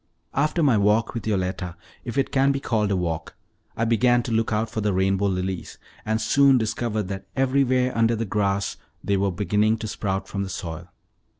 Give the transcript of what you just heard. After my walk with Yoletta if it can be called a walk I began to look out for the rainbow lilies, and soon discovered that everywhere under the grass they were beginning to sprout from the soil.